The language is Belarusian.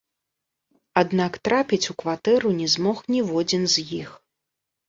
Аднак трапіць у кватэру не змог ніводзін з іх.